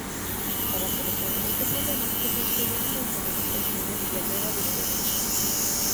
Para solucionar este problema, se construyó la mencionada Estación de Villanueva del Rey.